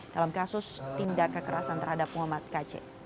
dalam kasus tindak kekerasan terhadap muhammad kc